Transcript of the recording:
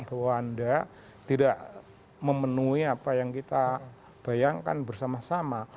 bahwa anda tidak memenuhi apa yang kita bayangkan bersama sama